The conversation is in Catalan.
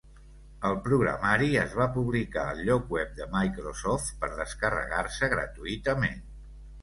El programari es va publicar al lloc web de Microsoft per descarregar-se gratuïtament.